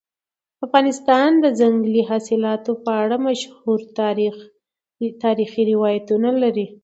افغانستان د ځنګلي حاصلاتو په اړه مشهور تاریخي روایتونه لري.